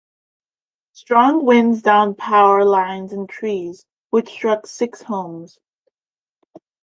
Strong winds downed power lines and trees, which struck six homes.